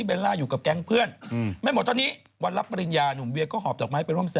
เพราะแคปชั่นโดนใจว่าขอบคุณนะจะเก็บไว้อย่างดี